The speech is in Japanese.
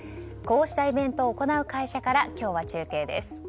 こうしたイベントを行う会社から今日は中継です。